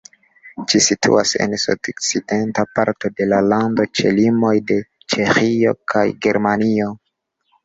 Ĝi situas en sudokcidenta parto de la lando ĉe limoj de Ĉeĥio kaj Germanio.